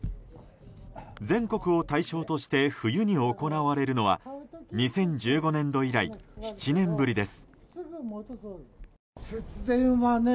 全国を対象として冬に行われるのは２０１５年度以来７年ぶりです。